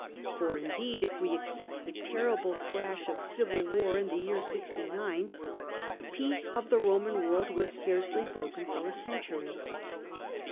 For indeed, if we ^ except the terrible crash of civil war m the policy of the year 69, the peace of the Roman world was scarcely broken for a century.